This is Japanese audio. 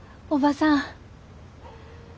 おばさん。